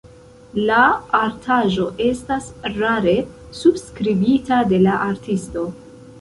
La artaĵo estas rare subskribita de la artisto.